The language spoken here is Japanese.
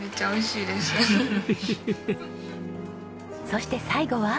そして最後は。